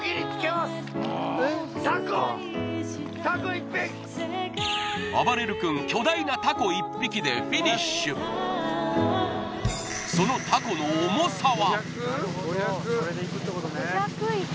１匹あばれる君巨大なタコ１匹でフィニッシュそのタコの重さは？